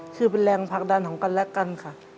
คือเป็นแรงผลักดันของกันและกันค่ะ